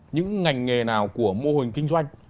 những ngành nghề nào của mô hình kinh doanh